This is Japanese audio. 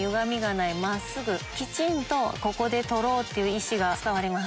きちんとここで撮ろうという意思が伝わります。